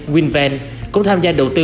winvan cũng tham gia đầu tư